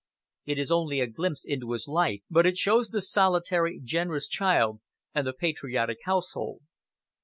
It is only a glimpse into his life, but it shows the solitary, generous child and the patriotic household.